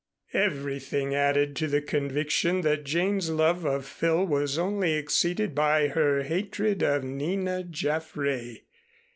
Everything added to the conviction that Jane's love of Phil was only exceeded by her hatred of Nina Jaffray.